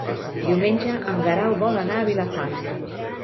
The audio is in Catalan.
Diumenge en Guerau vol anar a Vilafant.